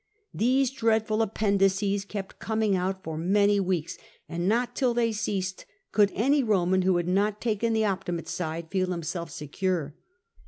These dreadful appendices kept coming out for many weeks, and not tM they ceased could any Eoman who had not taken the Optimate side feel himself secure.